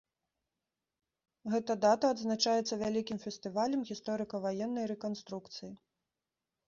Гэта дата адзначаецца вялікім фестывалем гісторыка-ваеннай рэканструкцыі.